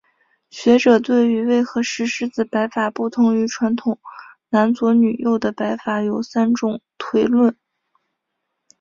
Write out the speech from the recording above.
学者对于为何石狮子摆法不同于传统男左女右的摆法有三种推论。